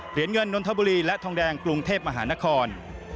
เหรียญเงินนนทบุรีและทองแดงกรุงเทพมหานคร